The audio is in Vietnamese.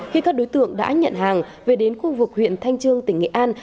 khi các đối tượng đã nhận hàng về đến khu vực huyện thanh trương tỉnh nghệ an